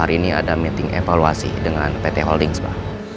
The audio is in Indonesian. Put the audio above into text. hari ini ada meeting evaluasi dengan pt holdings pak